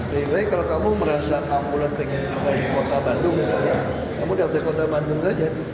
baik baik kalau kamu merasa ambulans pengen tinggal di kota bandung misalnya kamu daftar di kota bandung saja